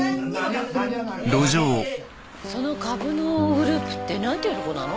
その株のグループって何ていうとこなの？